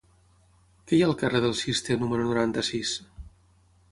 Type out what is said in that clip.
Què hi ha al carrer del Cister número noranta-sis?